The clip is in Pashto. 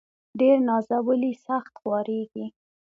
ډير نازولي ، سخت خوارېږي.